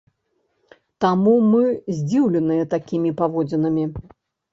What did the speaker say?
Таму мы здзіўленыя такімі паводзінамі.